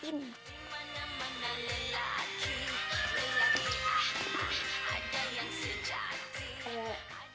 di mana mana lelaki lelaki ah ah ada yang sejati